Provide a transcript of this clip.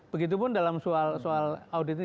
begitu pun dalam soal audit ini